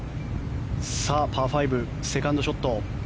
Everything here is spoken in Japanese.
パー５、セカンドショット。